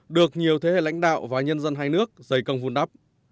được nhiều thế hệ lãnh đạo và nhân dân hai nước dày công vun đắp